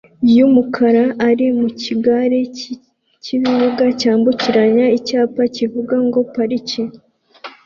yumukara ari mukigare cyibimuga cyambukiranya icyapa kivuga ngo "parike"